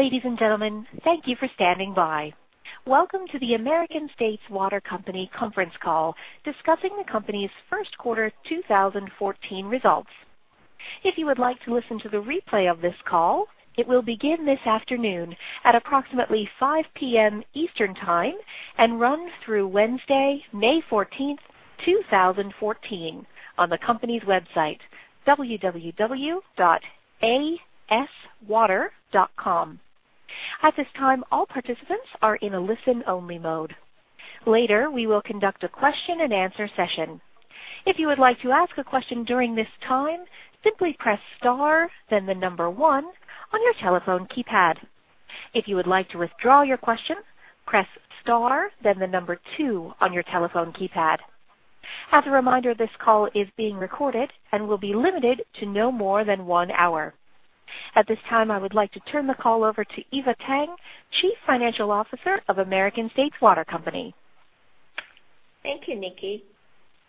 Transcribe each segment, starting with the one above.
Ladies and gentlemen, thank you for standing by. Welcome to the American States Water Company conference call discussing the company's first quarter 2014 results. If you would like to listen to the replay of this call, it will begin this afternoon at approximately 5:00 P.M. Eastern Time and run through Wednesday, May 14th, 2014, on the company's website, aswater.com. At this time, all participants are in a listen-only mode. Later, we will conduct a question and answer session. If you would like to ask a question during this time, simply press star then the number one on your telephone keypad. If you would like to withdraw your question, press star then the number two on your telephone keypad. As a reminder, this call is being recorded and will be limited to no more than one hour. At this time, I would like to turn the call over to Eva Tang, Chief Financial Officer of American States Water Company. Thank you, Nikki.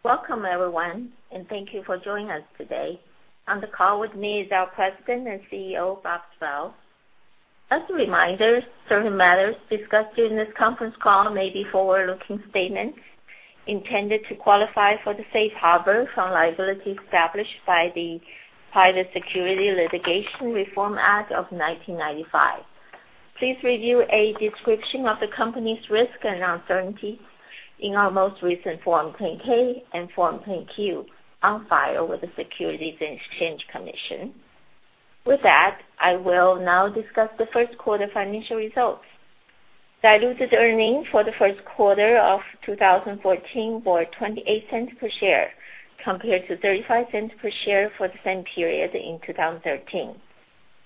Welcome everyone, thank you for joining us today. On the call with me is our President and CEO, Bob Sprowls. As a reminder, certain matters discussed during this conference call may be forward-looking statements intended to qualify for the safe harbor from liabilities established by the Private Securities Litigation Reform Act of 1995. Please review a description of the company's risks and uncertainties in our most recent Form 10-K and Form 10-Q on file with the Securities and Exchange Commission. With that, I will now discuss the first quarter financial results. Diluted earnings for the first quarter of 2014 were $0.28 per share, compared to $0.35 per share for the same period in 2013.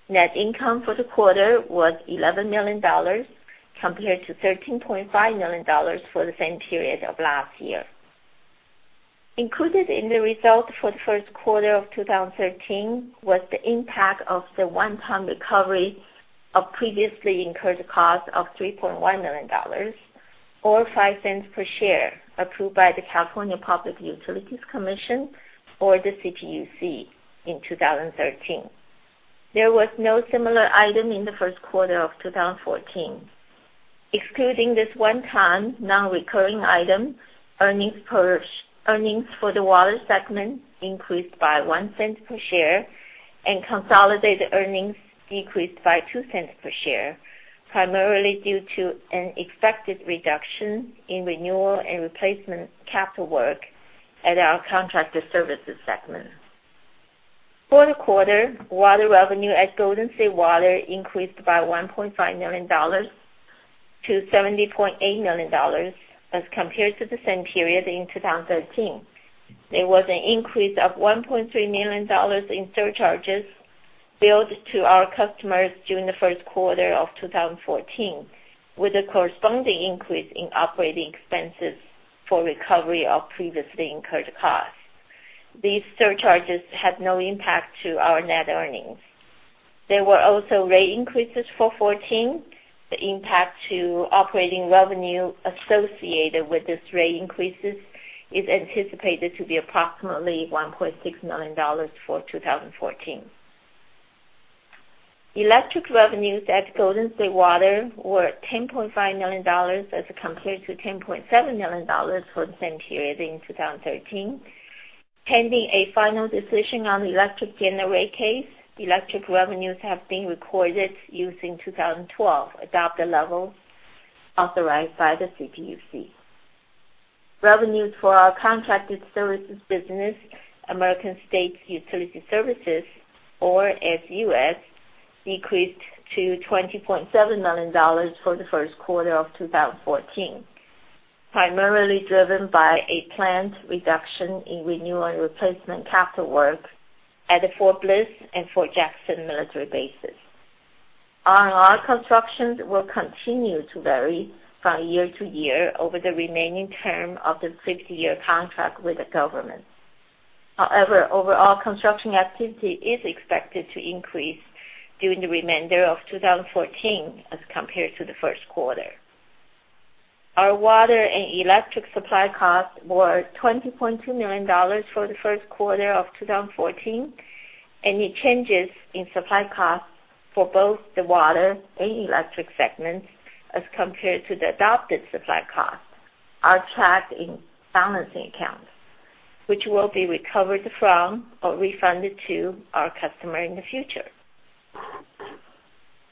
Net income for the quarter was $11 million compared to $13.5 million for the same period of last year. Included in the results for the first quarter of 2013 was the impact of the one-time recovery of previously incurred costs of $3.1 million or $0.05 per share, approved by the California Public Utilities Commission or the CPUC in 2013. There was no similar item in the first quarter of 2014. Excluding this one-time non-recurring item, earnings for the water segment increased by $0.01 per share, consolidated earnings decreased by $0.02 per share, primarily due to an expected reduction in renewal and replacement capital work at our contracted services segment. For the quarter, water revenue at Golden State Water increased by $1.5 million to $70.8 million as compared to the same period in 2013. There was an increase of $1.3 million in surcharges billed to our customers during the first quarter of 2014, with a corresponding increase in operating expenses for recovery of previously incurred costs. These surcharges had no impact to our net earnings. There were also rate increases for 2014. The impact to operating revenue associated with these rate increases is anticipated to be approximately $1.6 million for 2014. Electric revenues at Golden State Water Company were $10.5 million as compared to $10.7 million for the same period in 2013. Pending a final decision on the electric general rate case, electric revenues have been recorded using 2012 adopted level authorized by the CPUC. Revenues for our contracted services business, American States Utility Services, or ASUS, decreased to $20.7 million for the first quarter of 2014, primarily driven by a planned reduction in renewal and replacement capital work at the Fort Bliss and Fort Jackson military bases. R&R constructions will continue to vary from year to year over the remaining term of the 50-year contract with the government. Overall construction activity is expected to increase during the remainder of 2014 as compared to the first quarter. Our water and electric supply costs were $20.2 million for the first quarter of 2014. Any changes in supply costs for both the water and electric segments as compared to the adopted supply costs are tracked in balancing accounts, which will be recovered from or refunded to our customer in the future.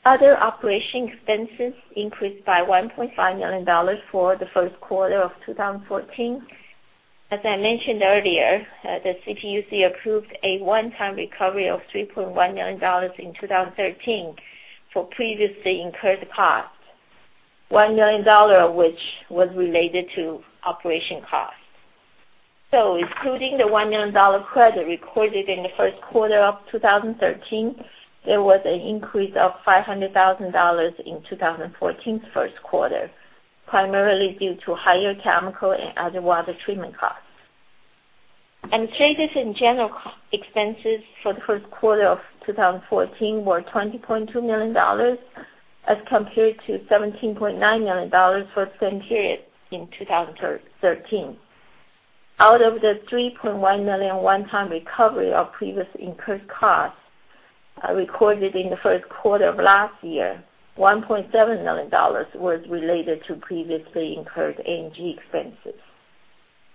Other operation expenses increased by $1.5 million for the first quarter of 2014. As I mentioned earlier, the CPUC approved a one-time recovery of $3.1 million in 2013 for previously incurred costs, $1 million of which was related to operation costs. Excluding the $1 million credit recorded in the first quarter of 2013, there was an increase of $500,000 in 2014's first quarter, primarily due to higher chemical and other water treatment costs. Administrative and General expenses for the first quarter of 2014 were $20.2 million as compared to $17.9 million for the same period in 2013. Out of the $3.1 million one-time recovery of previous incurred costs recorded in the first quarter of last year, $1.7 million was related to previously incurred A&G expenses.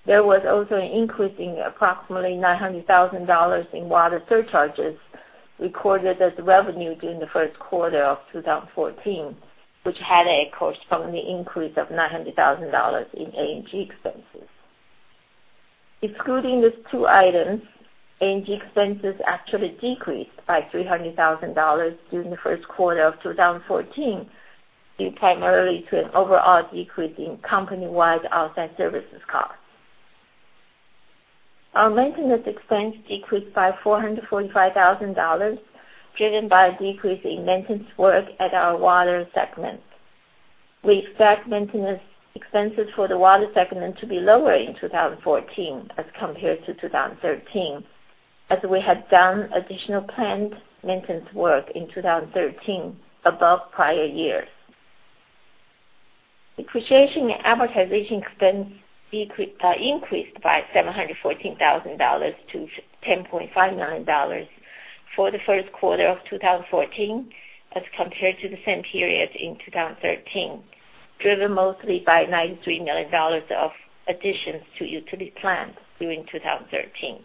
There was also an increase in approximately $900,000 in water surcharges recorded as revenue during the first quarter of 2014, which had arose from the increase of $900,000 in A&G expenses. Excluding these two items, A&G expenses actually decreased by $300,000 during the first quarter of 2014, due primarily to an overall decrease in company-wide outside services cost. Our maintenance expense decreased by $445,000, driven by a decrease in maintenance work at our water segment. We expect maintenance expenses for the water segment to be lower in 2014 as compared to 2013, as we had done additional planned maintenance work in 2013 above prior years. Depreciation and amortization expense increased by $714,000 to $10.59 million for the first quarter of 2014 as compared to the same period in 2013, driven mostly by $93 million of additions to utility plant during 2013.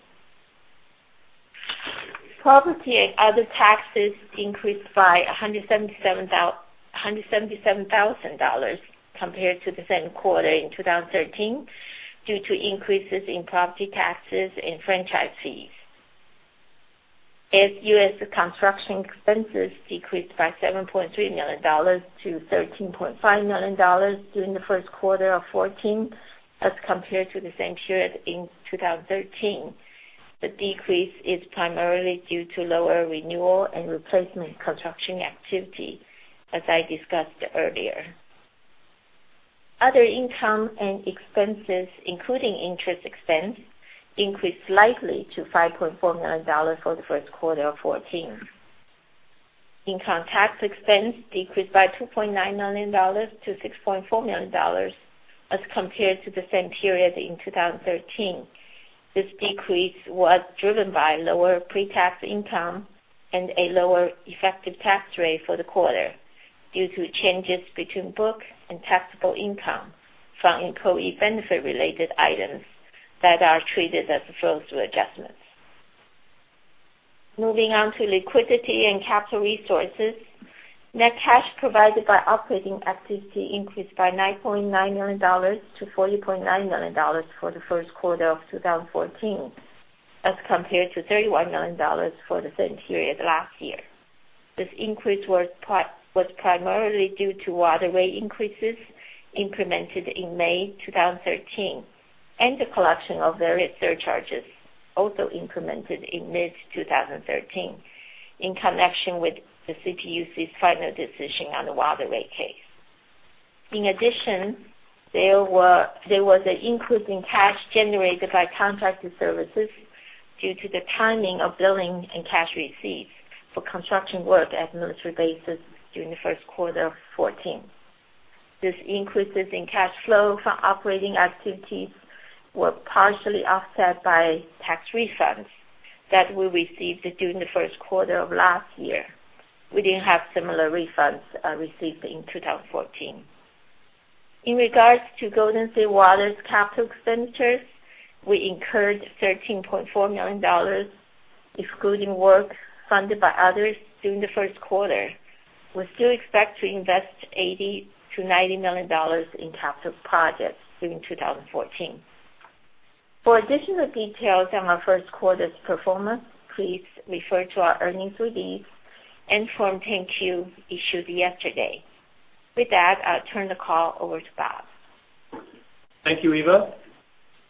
Property and other taxes increased by $177,000 compared to the same quarter in 2013 due to increases in property taxes and franchise fees. ASUS construction expenses decreased by $7.3 million to $13.5 million during the first quarter of 2014 as compared to the same period in 2013. The decrease is primarily due to lower renewal and replacement construction activity, as I discussed earlier. Other income and expenses, including interest expense, increased slightly to $5.4 million for the first quarter of 2014. Income tax expense decreased by $2.9 million to $6.4 million as compared to the same period in 2013. This decrease was driven by lower pre-tax income and a lower effective tax rate for the quarter due to changes between book and taxable income from employee benefit-related items that are treated as a flow-through adjustment. Moving on to liquidity and capital resources. Net cash provided by operating activity increased by $9.9 million to $40.9 million for the first quarter of 2014 as compared to $31 million for the same period last year. This increase was primarily due to water rate increases implemented in May 2013, and the collection of various surcharges also implemented in mid-2013 in connection with the CPUC's final decision on the water rate case. There was an increase in cash generated by contracted services due to the timing of billing and cash receipts for construction work at military bases during the first quarter of 2014. These increases in cash flow from operating activities were partially offset by tax refunds that we received during the first quarter of last year. We didn't have similar refunds received in 2014. In regards to Golden State Water's capital expenditures, we incurred $13.4 million, excluding work funded by others during the first quarter. We still expect to invest $80 million to $90 million in capital projects during 2014. For additional details on our first quarter's performance, please refer to our earnings release and Form 10-Q issued yesterday. With that, I'll turn the call over to Bob. Thank you, Eva.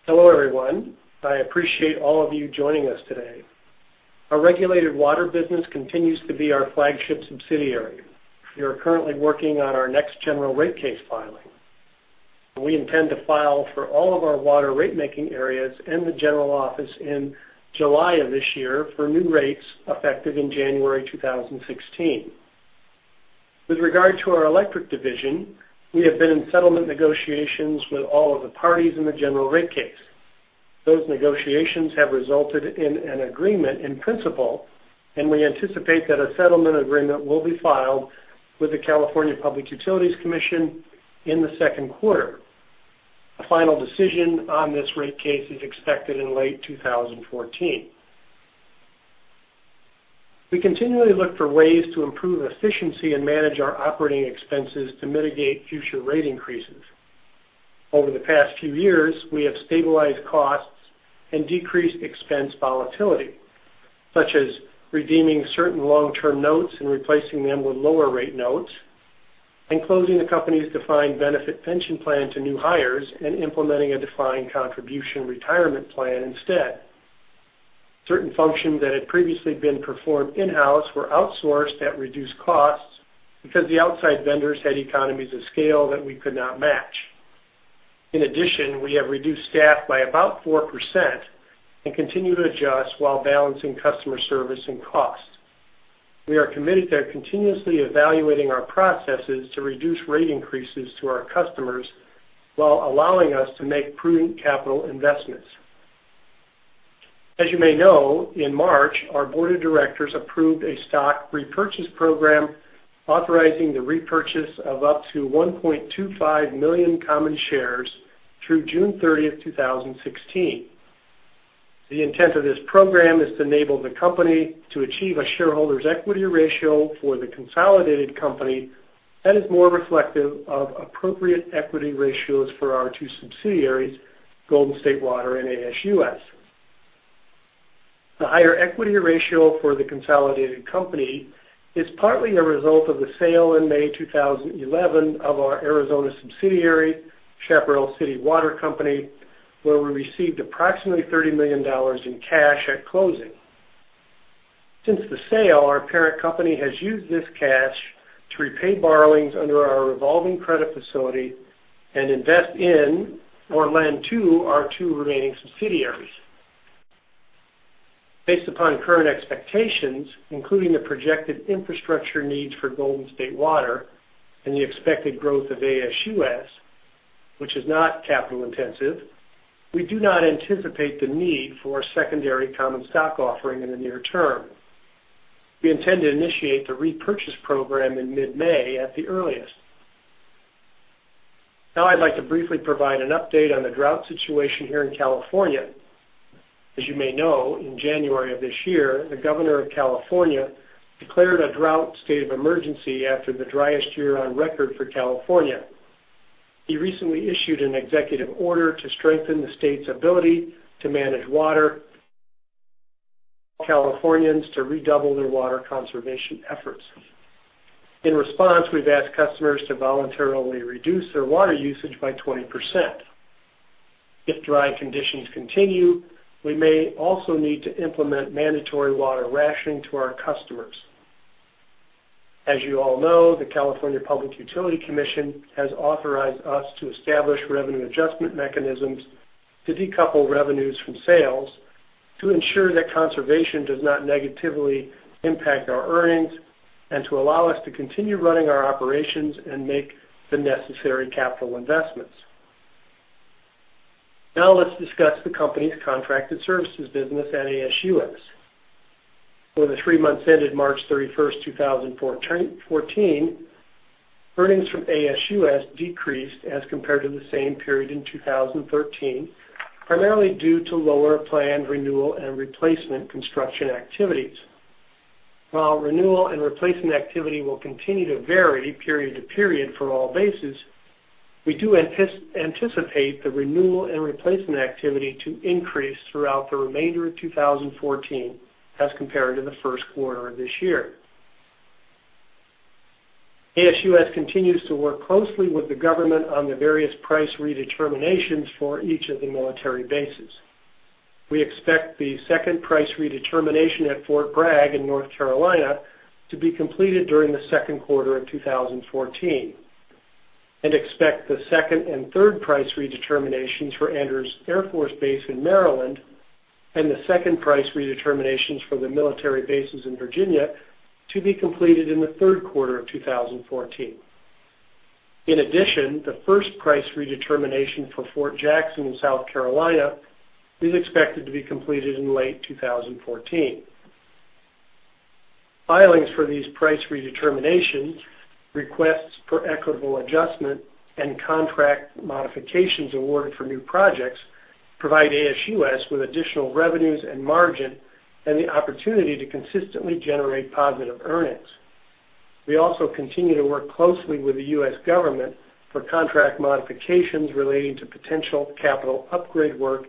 Hello, everyone. I appreciate all of you joining us today. Our regulated water business continues to be our flagship subsidiary. We are currently working on our next general rate case filing, and we intend to file for all of our water rate making areas and the general office in July of this year for new rates effective in January 2016. With regard to our electric division, we have been in settlement negotiations with all of the parties in the general rate case. Those negotiations have resulted in an agreement in principle, and we anticipate that a settlement agreement will be filed with the California Public Utilities Commission in the second quarter. A final decision on this rate case is expected in late 2014. We continually look for ways to improve efficiency and manage our operating expenses to mitigate future rate increases. Over the past few years, we have stabilized costs and decreased expense volatility, such as redeeming certain long-term notes and replacing them with lower rate notes, and closing the company's defined benefit pension plan to new hires and implementing a defined contribution retirement plan instead. Certain functions that had previously been performed in-house were outsourced at reduced costs because the outside vendors had economies of scale that we could not match. We have reduced staff by about 4% and continue to adjust while balancing customer service and cost. We are committed to continuously evaluating our processes to reduce rate increases to our customers while allowing us to make prudent capital investments. As you may know, in March, our board of directors approved a stock repurchase program authorizing the repurchase of up to 1.25 million common shares through June 30th, 2016. The intent of this program is to enable the company to achieve a shareholders' equity ratio for the consolidated company that is more reflective of appropriate equity ratios for our two subsidiaries, Golden State Water and ASUS. The higher equity ratio for the consolidated company is partly a result of the sale in May 2011 of our Arizona subsidiary, Chaparral City Water Company, where we received approximately $30 million in cash at closing. Since the sale, our parent company has used this cash to repay borrowings under our revolving credit facility and invest in or lend to our two remaining subsidiaries. Based upon current expectations, including the projected infrastructure needs for Golden State Water and the expected growth of ASUS, which is not capital intensive, we do not anticipate the need for a secondary common stock offering in the near term. We intend to initiate the repurchase program in mid-May at the earliest. I'd like to briefly provide an update on the drought situation here in California. As you may know, in January of this year, the Governor of California declared a drought state of emergency after the driest year on record for California. He recently issued an executive order to strengthen the state's ability to manage water, Californians to redouble their water conservation efforts. In response, we've asked customers to voluntarily reduce their water usage by 20%. If dry conditions continue, we may also need to implement mandatory water rationing to our customers. As you all know, the California Public Utilities Commission has authorized us to establish revenue adjustment mechanisms to decouple revenues from sales to ensure that conservation does not negatively impact our earnings and to allow us to continue running our operations and make the necessary capital investments. Let's discuss the company's contracted services business at ASUS. For the three months ended March 31st, 2014, earnings from ASUS decreased as compared to the same period in 2013, primarily due to lower planned renewal and replacement construction activities. While renewal and replacement activity will continue to vary period to period for all bases, we do anticipate the renewal and replacement activity to increase throughout the remainder of 2014 as compared to the first quarter of this year. ASUS continues to work closely with the government on the various price redeterminations for each of the military bases. We expect the second price redetermination at Fort Bragg in North Carolina to be completed during the second quarter of 2014 and expect the second and third price redeterminations for Andrews Air Force Base in Maryland and the second price redeterminations for the military bases in Virginia to be completed in the third quarter of 2014. In addition, the first price redetermination for Fort Jackson in South Carolina is expected to be completed in late 2014. Filings for these price redeterminations, requests for equitable adjustment, and contract modifications awarded for new projects provide ASUS with additional revenues and margin and the opportunity to consistently generate positive earnings. We also continue to work closely with the U.S. government for contract modifications relating to potential capital upgrade work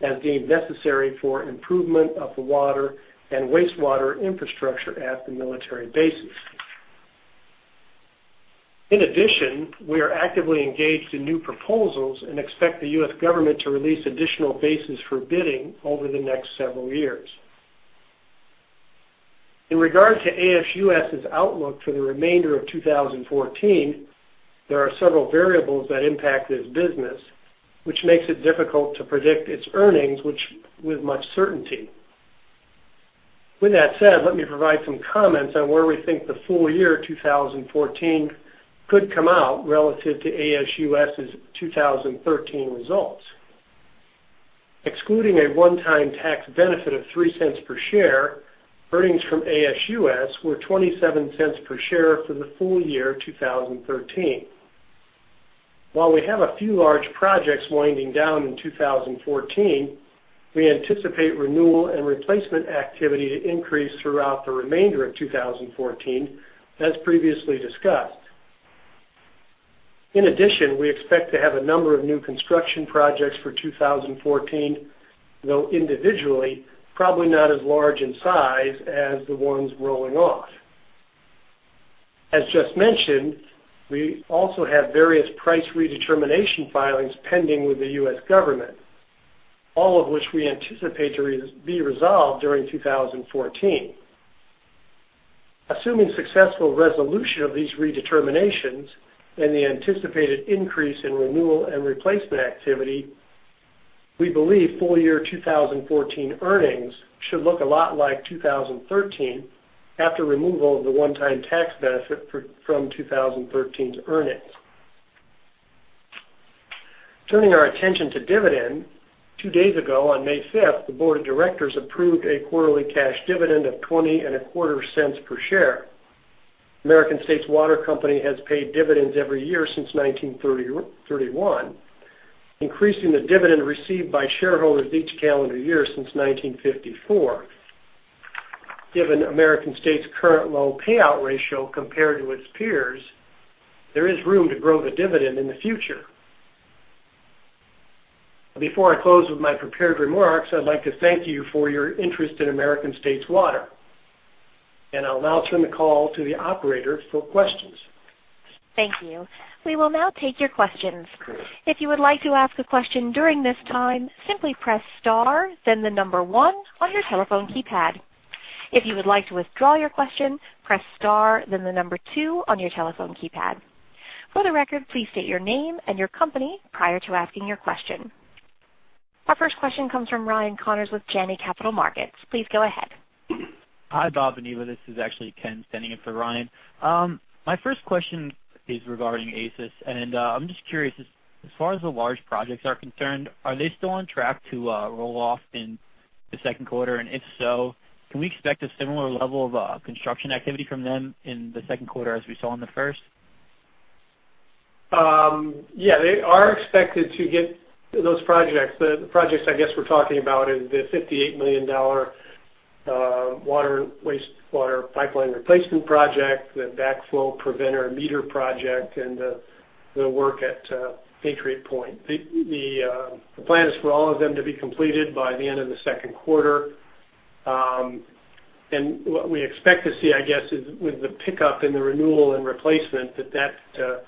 as deemed necessary for improvement of the water and wastewater infrastructure at the military bases. In addition, we are actively engaged in new proposals and expect the U.S. government to release additional bases for bidding over the next several years. In regard to ASUS's outlook for the remainder of 2014, there are several variables that impact this business, which makes it difficult to predict its earnings with much certainty. With that said, let me provide some comments on where we think the full year 2014 could come out relative to ASUS's 2013 results. Excluding a one-time tax benefit of $0.03 per share, earnings from ASUS were $0.27 per share for the full year 2013. While we have a few large projects winding down in 2014, we anticipate renewal and replacement activity to increase throughout the remainder of 2014, as previously discussed. In addition, we expect to have a number of new construction projects for 2014, though individually, probably not as large in size as the ones rolling off. As just mentioned, we also have various price redetermination filings pending with the U.S. government, all of which we anticipate to be resolved during 2014. Assuming successful resolution of these redeterminations and the anticipated increase in renewal and replacement activity, we believe full year 2014 earnings should look a lot like 2013 after removal of the one-time tax benefit from 2013's earnings. Turning our attention to dividend, two days ago, on May 5th, the board of directors approved a quarterly cash dividend of $0.2025 per share. American States Water Company has paid dividends every year since 1931, increasing the dividend received by shareholders each calendar year since 1954. Given American States' current low payout ratio compared to its peers, there is room to grow the dividend in the future. Before I close with my prepared remarks, I'd like to thank you for your interest in American States Water. I'll now turn the call to the operator for questions. Thank you. We will now take your questions. Sure. If you would like to ask a question during this time, simply press star, then the number 1 on your telephone keypad. If you would like to withdraw your question, press star, then the number 2 on your telephone keypad. For the record, please state your name and your company prior to asking your question. Our first question comes from Ryan Connors with Janney Montgomery Scott. Please go ahead. Hi, Bob and Eva. This is actually Ken standing in for Ryan. My first question is regarding ASUS. I'm just curious, as far as the large projects are concerned, are they still on track to roll off in the second quarter? If so, can we expect a similar level of construction activity from them in the second quarter as we saw in the first? Yeah, they are expected to get those projects. The projects, I guess we're talking about is the $58 million water, wastewater pipeline replacement project, the backflow preventer meter project, and the work at Patriot Point. The plan is for all of them to be completed by the end of the second quarter. What we expect to see, I guess is with the pickup in the renewal and replacement, that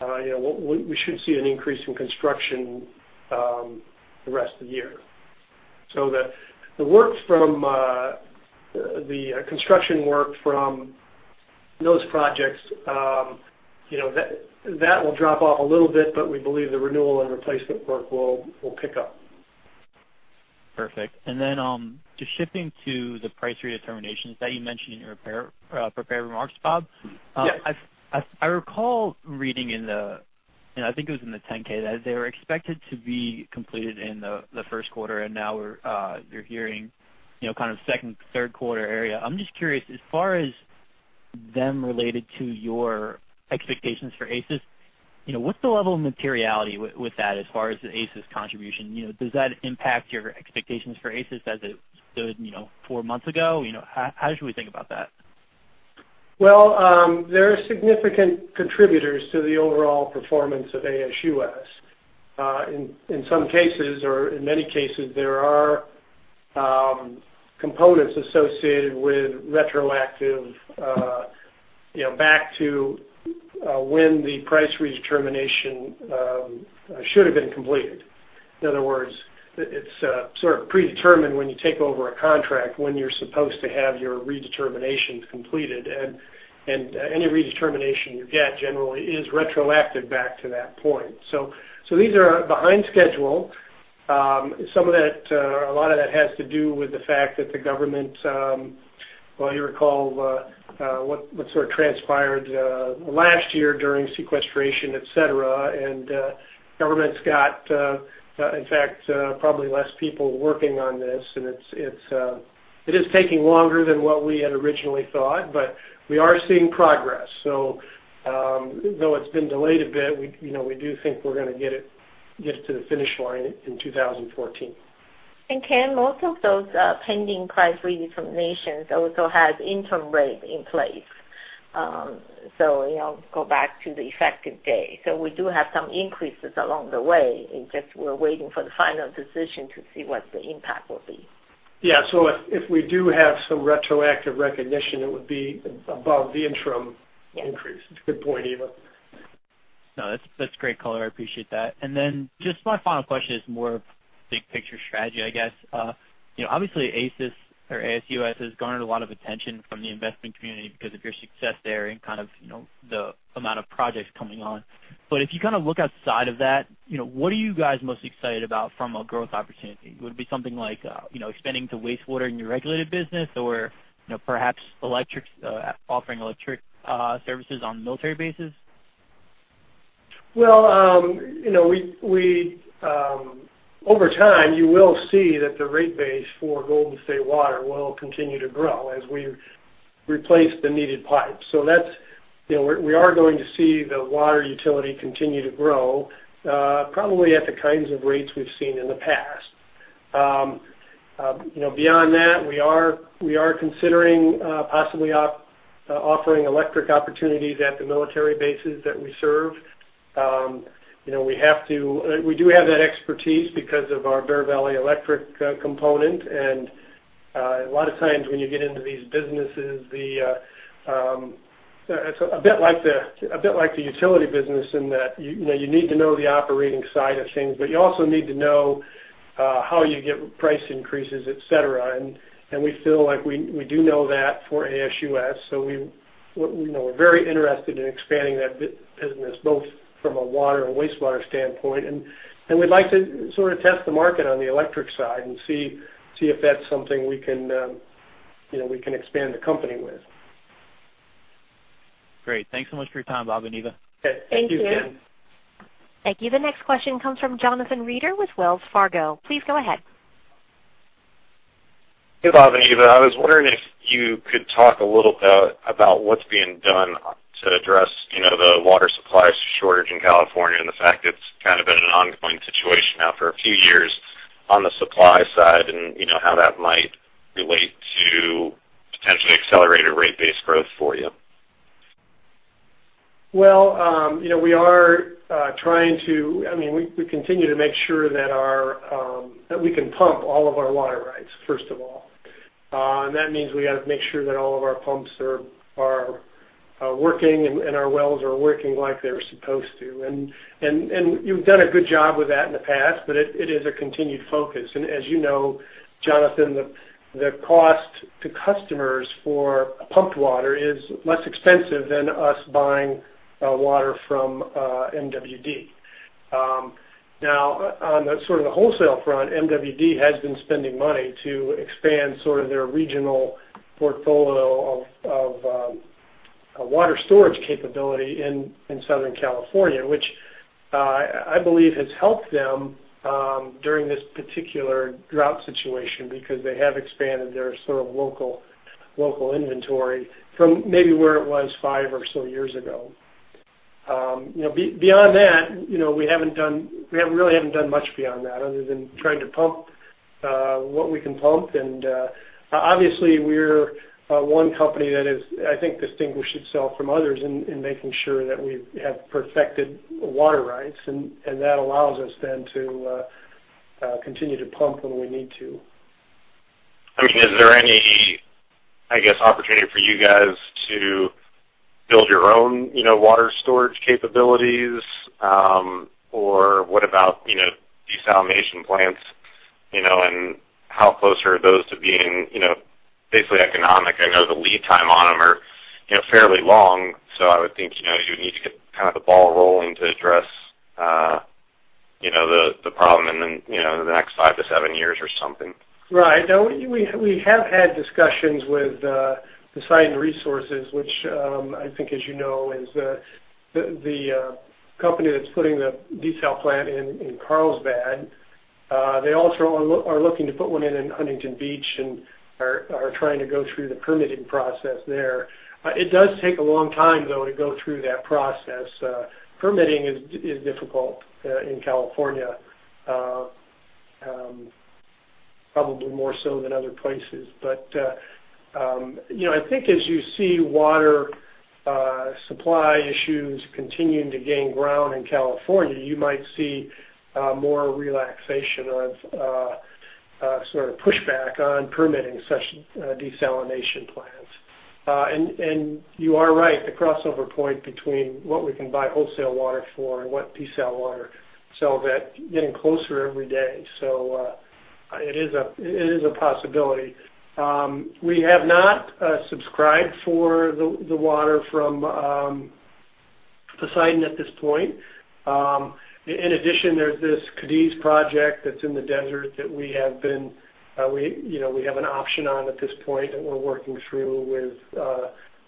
we should see an increase in construction the rest of the year. The construction work from those projects, that will drop off a little bit, but we believe the renewal and replacement work will pick up. Perfect. Just shifting to the price redeterminations that you mentioned in your prepared remarks, Bob. Yeah. I recall reading in the, I think it was in the 10-K, that they were expected to be completed in the first quarter, now we're hearing second, third quarter area. I'm just curious, as far as them related to your expectations for ASUS, what's the level of materiality with that as far as the ASUS contribution? Does that impact your expectations for ASUS as it stood four months ago? How should we think about that? Well, there are significant contributors to the overall performance of ASUS. In some cases or in many cases, there are components associated with retroactive back to when the price redetermination should have been completed. In other words, it's sort of predetermined when you take over a contract, when you're supposed to have your redeterminations completed, any redetermination you get generally is retroactive back to that point. These are behind schedule. A lot of that has to do with the fact that the government, well, you recall, what sort of transpired last year during sequestration, et cetera, government's got, in fact, probably less people working on this. It is taking longer than what we had originally thought, but we are seeing progress. Though it's been delayed a bit, we do think we're going to get it to the finish line in 2014. Ken, most of those pending price redeterminations also have interim rate in place. Go back to the effective date. We do have some increases along the way, just we're waiting for the final decision to see what the impact will be. Yeah. If we do have some retroactive recognition. Yeah increase. It's a good point, Eva. That's great color. I appreciate that. Just my final question is more big picture strategy, I guess. Obviously ASUS or ASUS has garnered a lot of attention from the investment community because of your success there and the amount of projects coming on. If you look outside of that, what are you guys most excited about from a growth opportunity? Would it be something like expanding to wastewater in your regulated business? Perhaps offering electric services on military bases? Well, over time, you will see that the rate base for Golden State Water will continue to grow as we replace the needed pipes. We are going to see the water utility continue to grow, probably at the kinds of rates we've seen in the past. Beyond that, we are considering possibly offering electric opportunities at the military bases that we serve. We do have that expertise because of our Bear Valley Electric component, a lot of times when you get into these businesses, it's a bit like the utility business in that you need to know the operating side of things, but you also need to know how you get price increases, et cetera. We feel like we do know that for ASUS. We're very interested in expanding that business, both from a water and wastewater standpoint. We'd like to sort of test the market on the electric side and see if that's something we can expand the company with. Great. Thanks so much for your time, Bhavani. Okay. Thank you. Thank you, Ken. Thank you. The next question comes from Jonathan Reeder with Wells Fargo. Please go ahead. Hey, Eva Tang. I was wondering if you could talk a little about what's being done to address the water supply shortage in California, the fact it's been an ongoing situation now for a few years on the supply side, how that might relate to potentially accelerated rate-based growth for you. Well, we continue to make sure that we can pump all of our water rights, first of all. That means we got to make sure that all of our pumps are working and our wells are working like they were supposed to. We've done a good job with that in the past, but it is a continued focus. As you know, Jonathan, the cost to customers for pumped water is less expensive than us buying water from MWD. On the wholesale front, MWD has been spending money to expand their regional portfolio of water storage capability in Southern California, which I believe has helped them during this particular drought situation because they have expanded their local inventory from maybe where it was five or so years ago. Beyond that, we really haven't done much beyond that other than trying to pump what we can pump. Obviously, we're one company that has, I think, distinguished itself from others in making sure that we have perfected water rights, that allows us then to continue to pump when we need to. Is there any, I guess, opportunity for you guys to build your own water storage capabilities? What about desalination plants, how close are those to being basically economic? I know the lead time on them are fairly long, so I would think you would need to get the ball rolling to address the problem in the next five to seven years or something. Right. No, we have had discussions with Poseidon Resources, which I think as you know is the company that's putting the desal plant in Carlsbad. They also are looking to put one in in Huntington Beach and are trying to go through the permitting process there. It does take a long time, though, to go through that process. Permitting is difficult in California, probably more so than other places. I think as you see water supply issues continuing to gain ground in California, you might see more relaxation of pushback on permitting such desalination plants. You are right, the crossover point between what we can buy wholesale water for and what desal water sell that, getting closer every day. It is a possibility. We have not subscribed for the water from Poseidon at this point. In addition, there's this Cadiz project that's in the desert that we have an option on at this point, and we're working through with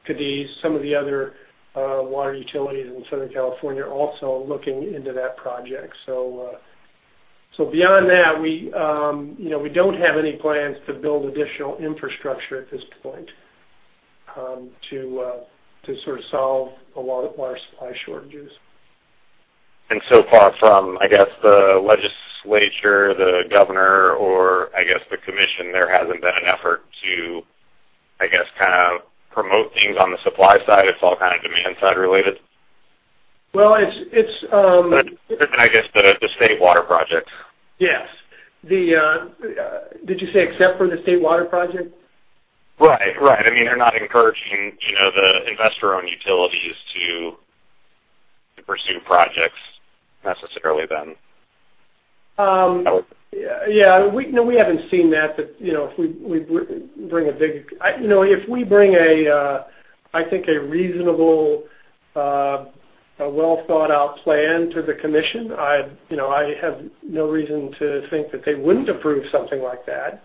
Cadiz. Some of the other water utilities in Southern California are also looking into that project. Beyond that, we don't have any plans to build additional infrastructure at this point to solve a lot of water supply shortages. So far from, I guess, the legislature, the governor, or I guess the commission, there hasn't been an effort to, I guess, promote things on the supply side. It's all demand-side related? Well. Other than, I guess, the State Water Project. Yes. Did you say except for the State Water Project? Right. They're not encouraging the investor-owned utilities to pursue projects necessarily, then. Yeah. No, we haven't seen that, but if we bring a, I think, a reasonable, a well-thought-out plan to the commission, I have no reason to think that they wouldn't approve something like that.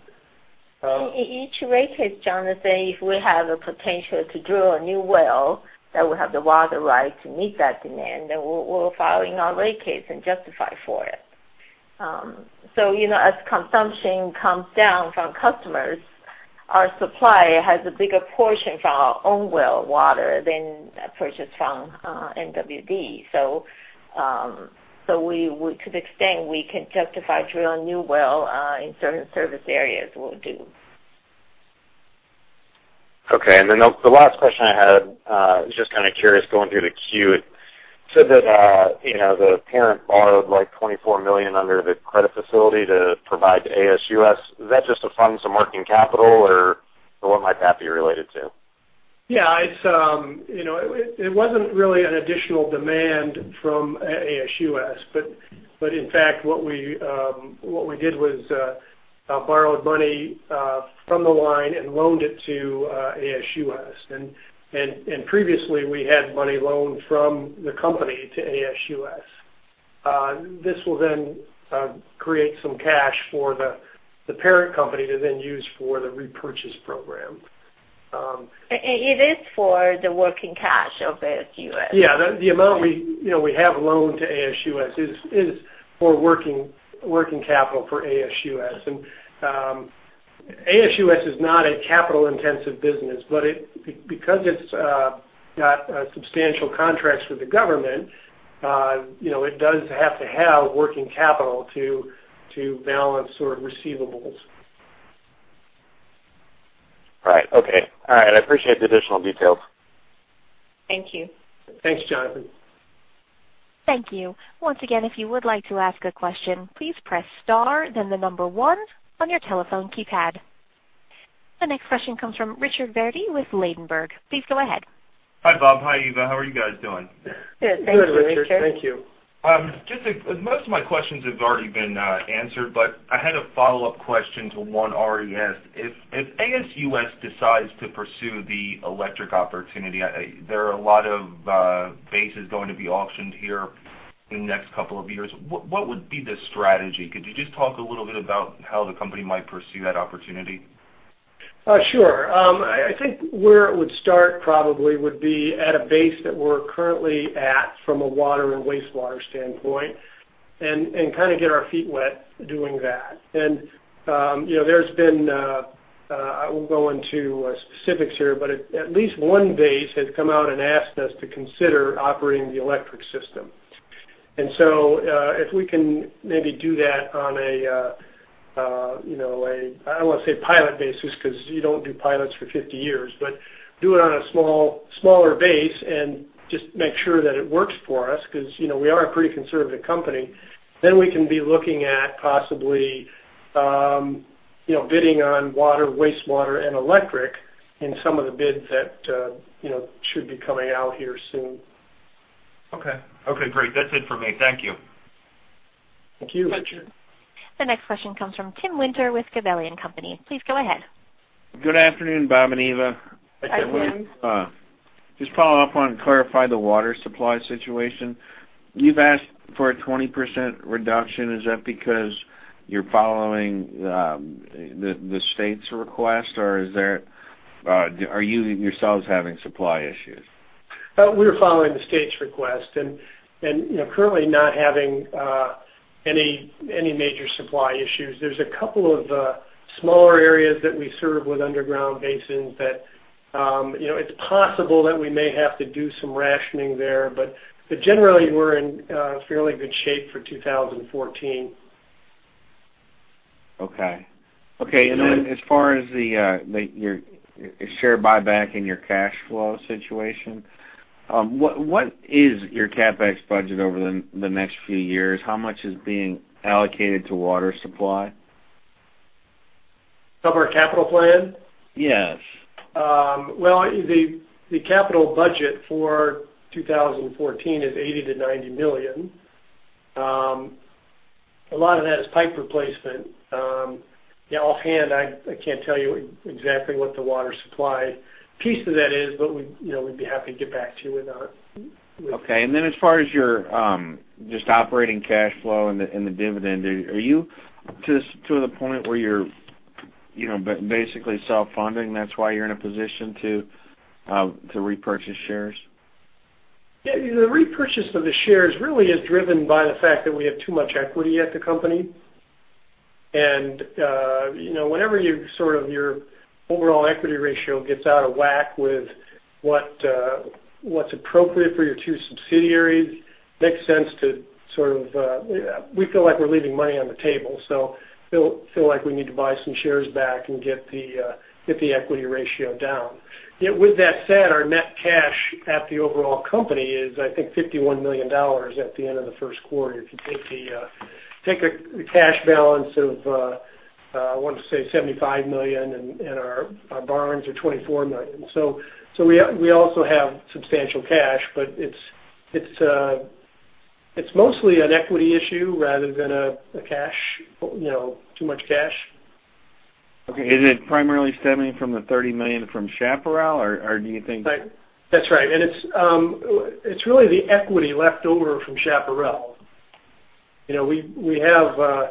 In each rate case, Jonathan, if we have a potential to drill a new well, that we have the water right to meet that demand, then we're filing our rate case and justify for it. As consumption comes down from customers, our supply has a bigger portion from our own well water than purchased from MWD. To the extent we can justify drilling a new well in certain service areas, we'll do. Okay. The last question I had, I was just curious going through the Form 10-Q. It said that the parent borrowed $24 million under the credit facility to provide to ASUS. Is that just to fund some working capital, or what might that be related to? Yeah. It wasn't really an additional demand from ASUS. In fact, what we did was borrowed money from the line and loaned it to ASUS. Previously, we had money loaned from the company to ASUS. This will create some cash for the parent company to use for the repurchase program. It is for the working cash of ASUS. Yeah. The amount we have loaned to ASUS is for working capital for ASUS. ASUS is not a capital-intensive business, but because it's got substantial contracts with the government, it does have to have working capital to balance sort of receivables. All right. Okay. All right. I appreciate the additional details. Thank you. Thanks, Jonathan. Thank you. Once again, if you would like to ask a question, please press star then the number one on your telephone keypad. The next question comes from Richard Verdi with Ladenburg. Please go ahead. Hi, Bob. Hi, Eva. How are you guys doing? Good. Thank you, Richard. Good, Richard. Thank you. Most of my questions have already been answered, I had a follow-up question to one already asked. If ASUS decides to pursue the electric opportunity, there are a lot of bases going to be auctioned here in the next couple of years. What would be the strategy? Could you just talk a little bit about how the company might pursue that opportunity? Sure. I think where it would start probably would be at a base that we're currently at from a water and wastewater standpoint and kind of get our feet wet doing that. There's been, I won't go into specifics here, but at least one base has come out and asked us to consider operating the electric system. If we can maybe do that on a, I don't want to say pilot basis because you don't do pilots for 50 years, but do it on a smaller base and just make sure that it works for us because we are a pretty conservative company. We can be looking at possibly bidding on water, wastewater, and electric in some of the bids that should be coming out here soon. Okay. Okay, great. That's it for me. Thank you. Thank you, Richard. The next question comes from Timothy Winter with Gabelli & Company. Please go ahead. Good afternoon, Bob and Eva. Hi, Tim. I just want to follow up on clarify the water supply situation. You've asked for a 20% reduction. Is that because you're following the state's request, or are you yourselves having supply issues? We're following the state's request, currently not having any major supply issues. There's a couple of smaller areas that we serve with underground basins that it's possible that we may have to do some rationing there. Generally, we're in fairly good shape for 2014. Okay. Then as far as your share buyback and your cash flow situation, what is your CapEx budget over the next few years? How much is being allocated to water supply? Of our capital plan? Yes. Well, the capital budget for 2014 is $80 million-$90 million. A lot of that is pipe replacement. Offhand, I can't tell you exactly what the water supply piece of that is, we'd be happy to get back to you with that. Okay. Then as far as your just operating cash flow and the dividend, are you to the point where you're basically self-funding, that's why you're in a position to repurchase shares? Yeah, the repurchase of the shares really is driven by the fact that we have too much equity at the company. Whenever your overall equity ratio gets out of whack with what's appropriate for your two subsidiaries, makes sense to sort of, we feel like we're leaving money on the table. Feel like we need to buy some shares back and get the equity ratio down. With that said, our net cash at the overall company is, I think, $51 million at the end of the first quarter. If you take the cash balance of, I want to say $75 million, our borrowings are $24 million. We also have substantial cash, but it's mostly an equity issue rather than too much cash. Okay. Is it primarily stemming from the $30 million from Chaparral, or do you think- That's right. It's really the equity left over from Chaparral. We have,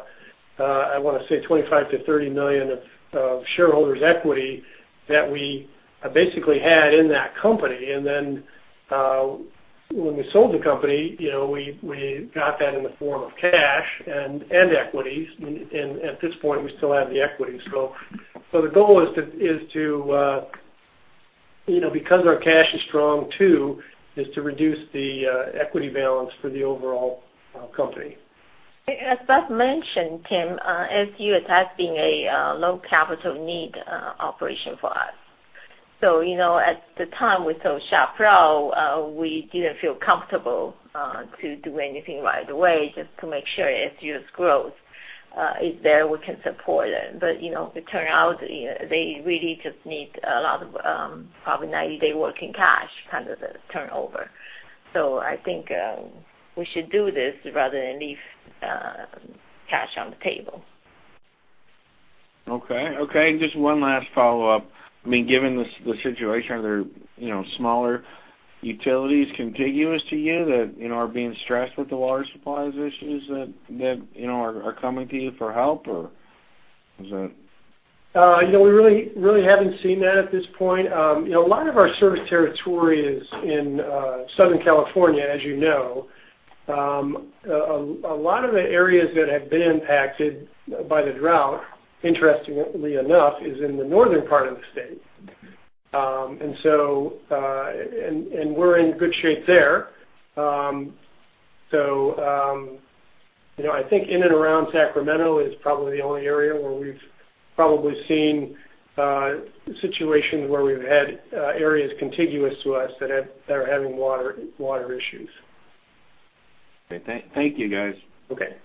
I want to say $25 million-$30 million of shareholders' equity that we basically had in that company. When we sold the company, we got that in the form of cash and equities. At this point, we still have the equity. The goal is to, because our cash is strong too, is to reduce the equity balance for the overall company. As Bob mentioned, Tim, ASUS has been a low capital need operation for us. At the time we sold Chaparral, we didn't feel comfortable to do anything right away just to make sure ASUS growth is there, we can support it. It turned out they really just need a lot of probably 90-day working cash kind of the turnover. I think we should do this rather than leave cash on the table. Okay. Just one last follow-up. Given the situation, are there smaller utilities contiguous to you that are being stressed with the water supplies issues that are coming to you for help or is that- We really haven't seen that at this point. A lot of our service territory is in Southern California as you know. A lot of the areas that have been impacted by the drought, interestingly enough, is in the northern part of the state. We're in good shape there. I think in and around Sacramento is probably the only area where we've probably seen situations where we've had areas contiguous to us that are having water issues. Okay. Thank you, guys. Okay.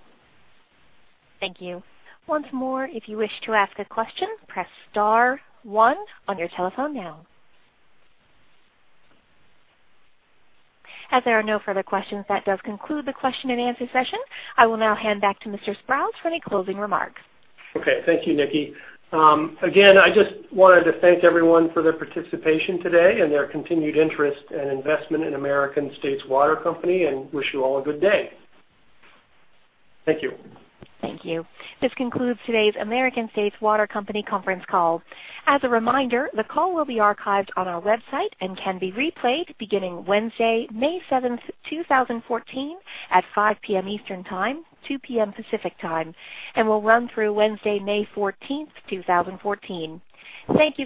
Thank you. Once more, if you wish to ask a question, press star one on your telephone now. As there are no further questions, that does conclude the question and answer session. I will now hand back to Mr. Sprowls for any closing remarks. Okay. Thank you, Nikki. I just wanted to thank everyone for their participation today and their continued interest and investment in American States Water Company, and wish you all a good day. Thank you. Thank you. This concludes today's American States Water Company conference call. As a reminder, the call will be archived on our website and can be replayed beginning Wednesday, May 7th, 2014, at 5:00 P.M. Eastern Time, 2:00 P.M. Pacific Time, and will run through Wednesday, May 14th, 2014. Thank you.